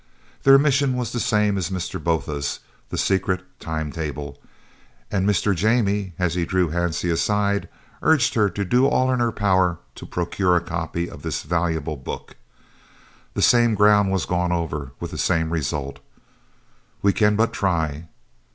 Their mission was the same as Mr. Botha's, the secret time table, and Mr. Jannie, as he drew Hansie aside, urged her to do all in her power to procure a copy of this valuable book. The same ground was gone over, with the same result, "We can but try."